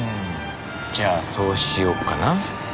じゃあそうしようかな。